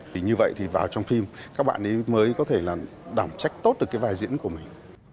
vì như vậy thì vào trong phim các bạn mới có thể đảm trách tốt được cái vai diễn của mình